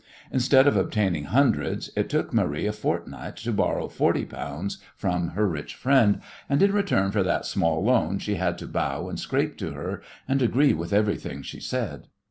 Instead of obtaining hundreds it took Marie a fortnight to borrow forty pounds from her rich friend, and in return for that small loan she had to bow and scrape to her, and agree with everything she said.